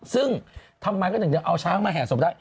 ซึ่งทำไมก็ถึงจะเอาช้างมาแห่ศพได้